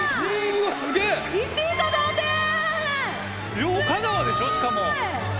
両方香川でしょしかも。